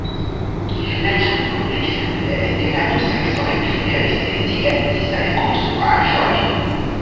La ĉambroj, ekzemple, de la du seksoj devis esti en disaj konstruaĵoj.